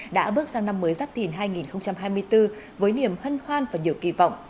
đã bước sang năm mới giáp thìn hai nghìn hai mươi bốn với niềm hân hoan và nhiều kỳ vọng